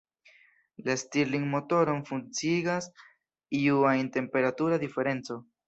La Stirling-motoron funkciigas iu ajn temperatura diferenco.